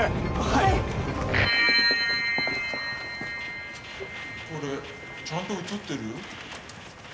はいこれちゃんと映ってる？